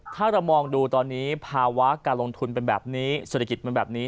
ถ้าเรามองดูตอนนี้ภาวะการลงทุนเป็นแบบนี้เศรษฐกิจมันแบบนี้